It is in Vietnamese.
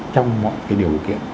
trong mọi cái điều kiện